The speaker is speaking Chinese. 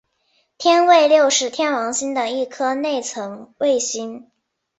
天卫六是天王星的一颗内层卫星。